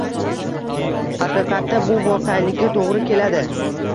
Haqiqatda, bu voqe'likka to‘g‘ri keladi